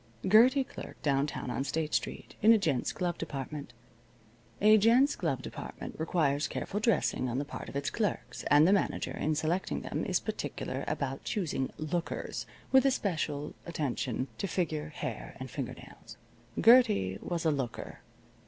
Gertie clerked downtown on State Street, in a gents' glove department. A gents' glove department requires careful dressing on the part of its clerks, and the manager, in selecting them, is particular about choosing "lookers," with especial attention to figure, hair, and finger nails. Gertie was a looker.